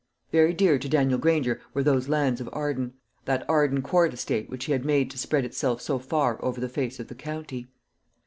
Very dear to Daniel Granger were those lands of Arden, that Arden Court estate which he had made to spread itself so far over the face of the county.